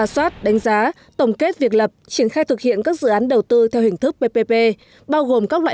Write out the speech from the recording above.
so với cùng kỳ năm hai nghìn một mươi bảy